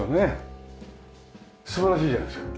素晴らしいじゃないですか。